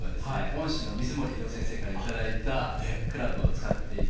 恩師の水森英夫先生から頂いたクラブを使っていて。